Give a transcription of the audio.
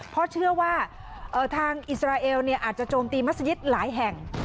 เพราะเชื่อว่าทางอิสราเอลอาจจะโจมตีมัศยิตหลายแห่ง